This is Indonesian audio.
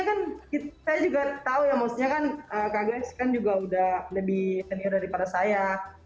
maksudnya kan kak guys kan juga udah lebih senior daripada saya maksudnya kan kak guys kan juga udah lebih senior daripada saya